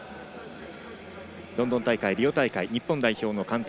ロンドン大会、リオ大会日本代表の監督